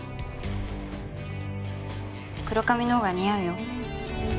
黒髪のほうが似合うよ。